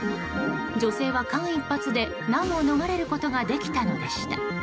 女性は間一髪で難を逃れることができたのでした。